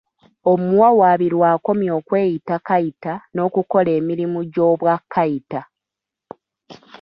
Omuwawaabirwa akomye okweyita Kayita n'okukola emirimu gy'obwa Kayita.